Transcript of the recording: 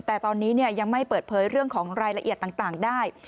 แต่ตอนนี้ยังไม่เปิดเผยเรื่องของรายละเอียดต่างได้